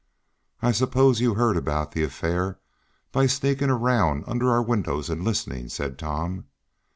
"I suppose you heard about the affair by sneaking around under our windows, and listening," said Tom.